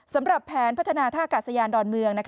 สำหรับแผนพัฒนาท่ากาศยานดอนเมือง